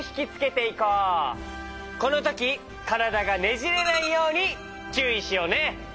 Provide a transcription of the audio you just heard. このときからだがねじれないようにちゅういしようね。